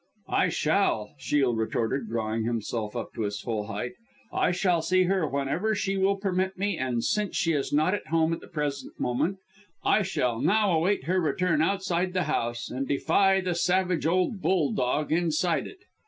"I shall," Shiel retorted, drawing himself up to his full height. "I shall see her whenever she will permit me and since she is not at home at the present moment, I shall now await her return outside the house, and defy the savage old bull dog inside it."